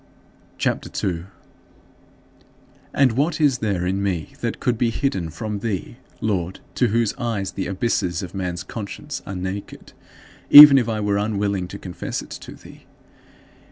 CHAPTER II 2. And what is there in me that could be hidden from thee, Lord, to whose eyes the abysses of man's conscience are naked, even if I were unwilling to confess it to thee?